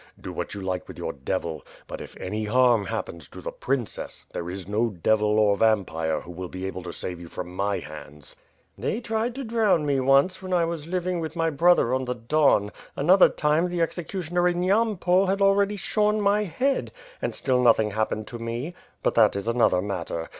Do what you like with your Devil; but if any harm happens to the princess, there is no devil or vampire who will be able to save you from my hands." "They tried to drown me once when I wa& living wiih my brother on the Don; another time, the executioner in Yampol had already shorn my head, and still nothing happened to me. But that is another matter.